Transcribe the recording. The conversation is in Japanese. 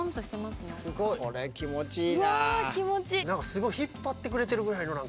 すごい引っ張ってくれてるぐらいの。